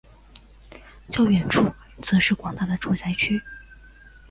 较远处则是广大的住宅区。